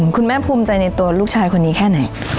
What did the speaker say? คุณแม่ภูมิใจในตัวลูกชายคนนี้แค่ไหน